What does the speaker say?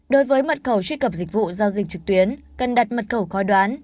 đối với mật khẩu truy cập dịch vụ giao dịch trực tuyến cần đặt mật khẩu khói đoán